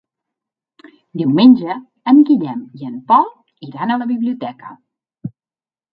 Diumenge en Guillem i en Pol iran a la biblioteca.